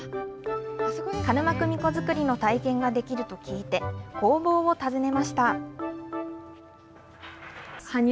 鹿沼組子作りの体験ができると聞いて、工房を訪ねました。